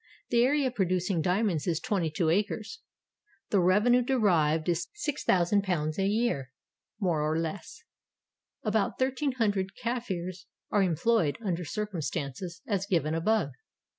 The area producing diamonds is twenty two acres. The revenue derived is £6000 a year, more or less. About 1300 Kafirs are employed under circum stances as given above.